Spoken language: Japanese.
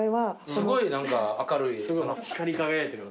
すごい何か明るい。